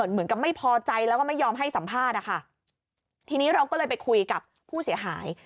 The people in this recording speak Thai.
เหมือนกับไม่พอใจแล้วก็ไม่ยอมให้สัมภาษณ์นะคะทีนี้เราก็เลยไปคุยกับผู้เสียหาย